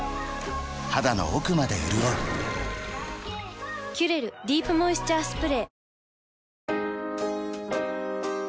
肌の奥まで潤う「キュレルディープモイスチャースプレー」